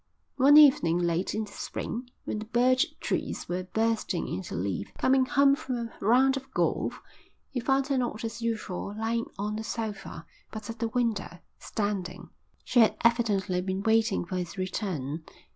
One evening late in the spring when the birch trees were bursting into leaf, coming home from a round of golf, he found her not as usual lying on the sofa, but at the window, standing. She had evidently been waiting for his return.